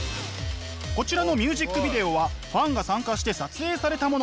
こちらのミュージックビデオはファンが参加して撮影されたもの。